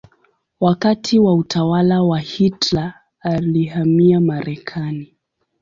Wakati wa utawala wa Hitler alihamia Marekani.